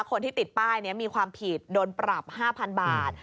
คนที่ติดป้ายนี้มีความผิดโดนปรับ๕๐๐๐บาท